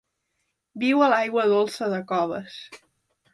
Viu a l'aigua dolça de coves.